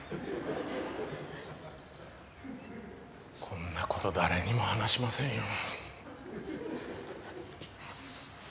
こんな事誰にも話しませんよ。